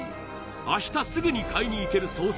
明日すぐに買いに行ける惣菜